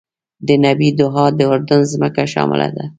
د نبی دعا کې د اردن ځمکه شامله ده.